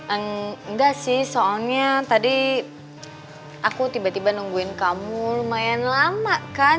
enggak sih soalnya tadi aku tiba tiba nungguin kamu lumayan lama kan